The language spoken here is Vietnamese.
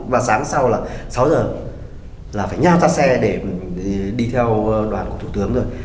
và sáng sau là sáu h là phải nhao ra xe để đi theo đoàn của thủ tướng rồi